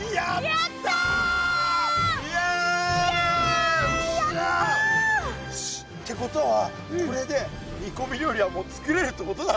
やった！ってことはこれで煮こみ料理はもうつくれるってことだろ？